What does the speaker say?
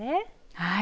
はい。